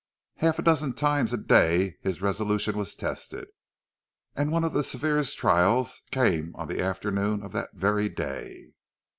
Half a dozen times a day his resolution was tested, and one of the severest trials came on the afternoon of that very day.